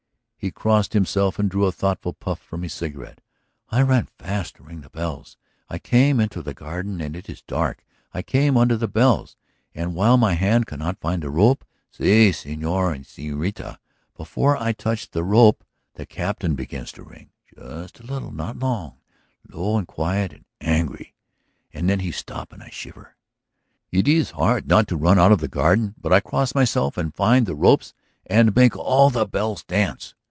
He crossed himself and drew a thoughtful puff from his cigarette. "I run fast to ring the bells. I come into the garden and it is dark. I come under the bells. And while my hand cannot find the rope ... Si, señor y señorita! ... before I touch the rope the Captain begins to ring! Just a little; not long; low and quiet and ... angry! And then he stop and I shiver. It is hard not to run out of the garden. But I cross myself and find the ropes and make all the bells dance.